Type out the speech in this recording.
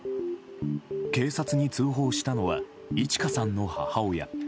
警察に通報したのはいち花さんの母親。